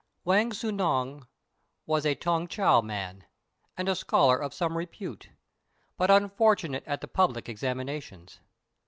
Wang Tzŭ ngan was a Tung ch'ang man, and a scholar of some repute, but unfortunate at the public examinations.